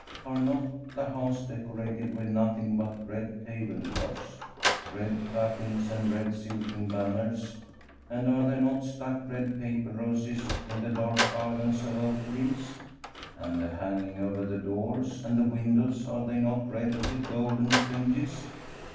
Are not the houses decorated with nothing but red table cloths, red trappings, and red silken banners, and are there not stuck red paper roses in the dark garlands of oak leaves ? and the hangings over the doors and the windows, are they not red with golden fringes?